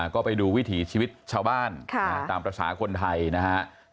ก็ไปดูวิถีชีวิตชาวบ้านตามภาษาคนไทยนะฮะ